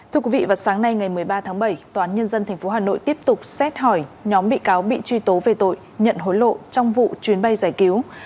thưa quý vị vào sáng nay ngày một mươi ba tháng bảy tòa án nhân dân tp hà nội tiếp tục xét hỏi nhóm bị cáo bị truy tố về tội nhận hối lộ trong vụ chuyến bay giải cứu